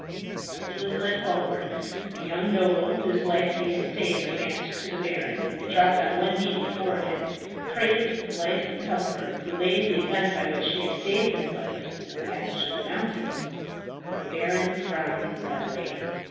As he was led forward, the young noble whose life he had saved advanced to the baron, and dropping on one knee before him, craved the life of Cuthbert, relating the event by which he had saved his life in the passage of the mountains. The baron frowned heavily.